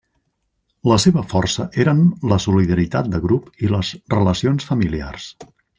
La seva força eren la solidaritat de grup i les relacions familiars.